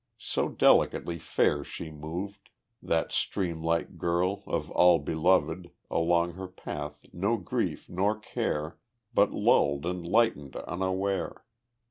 So delicately fair she moved That stream like girl, of all beloved. Along her path no grief nor care But lulled and lightened unaware.